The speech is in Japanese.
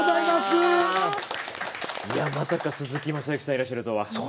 まさか、鈴木雅之さんいらっしゃるとは。